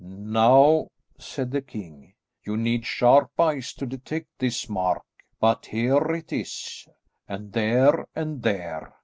"Now," said the king, "you need sharp eyes to detect this mark, but there it is, and there, and there.